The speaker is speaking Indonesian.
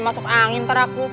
masuk angin ntar aku